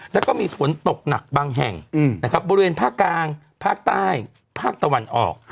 แล้วก็มีฝนตกหนักบางแห่งนะครับบริเวณภาคกลางภาคใต้ภาคตะวันออก